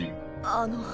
あの。